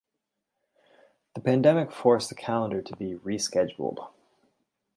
The pandemic forced the calendar to be rescheduled.